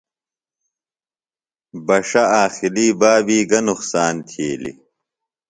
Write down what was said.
بݜہ عاقلی بابی گہ نقصان تِھیلیۡ؟